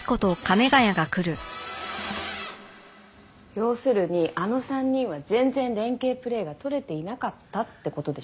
要するにあの３人は全然連係プレーがとれていなかったって事でしょ？